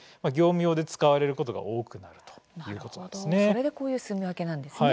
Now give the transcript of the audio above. それでこういうすみ分けなんですね。